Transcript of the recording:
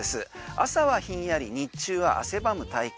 朝はひんやり日中は汗ばむ体感。